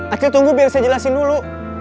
akil tunggu biar saya jelasin dulu